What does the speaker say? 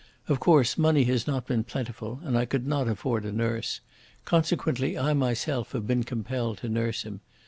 Of course, money has not been plentiful, and I could not afford a nurse. Consequently I myself have been compelled to nurse him.